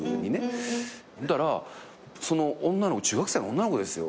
その女の子中学生の女の子ですよ。